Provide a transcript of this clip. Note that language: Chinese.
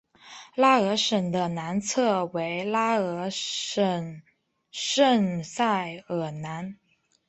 拉尔什的南侧为拉尔什圣塞尔南。